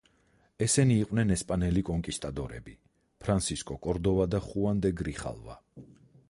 ესენი იყვნენ ესპანელი კონკისტადორები ფრანსისკო კორდოვა და ხუან დე გრიხალვა.